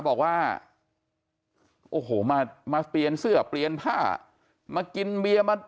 บอกว่าโอ้โหมาเปลี่ยนเสื้อเปลี่ยนผ้ามากินเบียร์มา